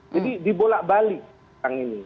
jadi dibolak balik sekarang ini